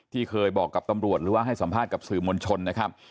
ที่เคยบอกกับตำรวจหรือว่าให้สัมภาษณ์กับสื่อมวลชนนะครับ